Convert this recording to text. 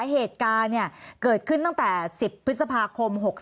เหตุการณ์เกิดขึ้นตั้งแต่๑๐พฤษภาคม๖๓